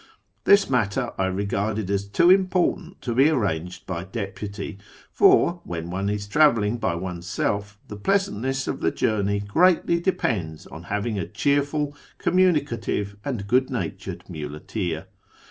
This matter I regarded as too important to be arranged by deputy, for, when one is travelling by oneself, the pleasantness of the journey greatly depends on having a cheerful, communicative, and good natured muleteer.